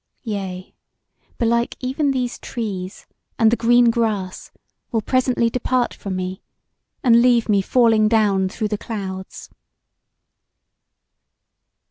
Yea, belike even these trees and the green grass will presently depart from me, and leave me falling down through the clouds.